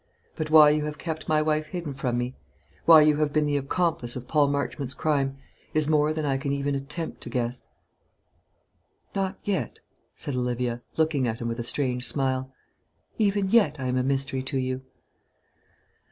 But why you have kept my wife hidden from me, why you have been the accomplice of Paul Marchmont's crime, is more than I can even attempt to guess." "Not yet?" said Olivia, looking at him with a strange smile. "Even yet I am a mystery to you?"